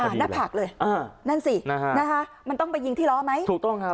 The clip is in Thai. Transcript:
หน้าผากเลยอ่านั่นสินะฮะมันต้องไปยิงที่ล้อไหมถูกต้องครับ